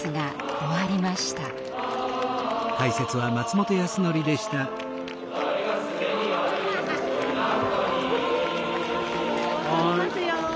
撮りますよ。